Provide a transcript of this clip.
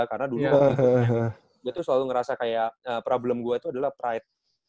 karena dulu gue tuh selalu ngerasa kayak problem gue itu adalah pride